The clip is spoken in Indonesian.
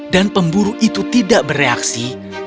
dan pemburu itu tidak bereaksi